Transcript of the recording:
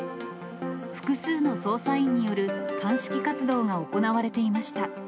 複数の捜査員による鑑識活動が行われていました。